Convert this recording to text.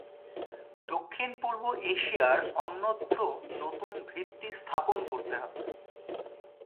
দক্ষিণ পূর্ব এশিয়ার অন্যত্র নতুন ভিত্তি স্থাপন করতে হবে।